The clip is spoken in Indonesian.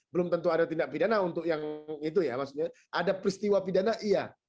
belum tentu ada tindak pidana untuk yang itu ya maksudnya ada peristiwa pidana iya